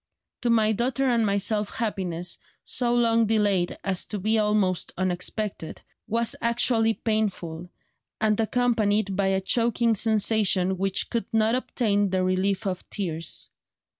To my daughter and myself happiness, so long delayed as to be almost unexpected, was actually painful, and accompanied by a choking sensation which could not obtain the relief of tears.